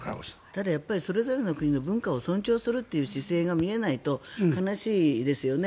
ただそれぞれの国の文化を尊重するという姿勢が見えないと悲しいですよね。